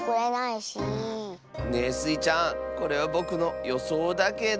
ねえスイちゃんこれはぼくのよそうだけど。